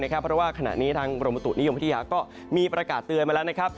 เพราะว่าขณะนี้ทางกรมบุตุนิยมวิทยาก็มีประกาศเตือนมาแล้วนะครับ